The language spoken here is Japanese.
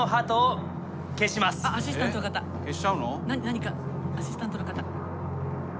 何かアシスタントの方。